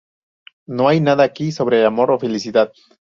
No hay nada aquí sobre amor o felicidad.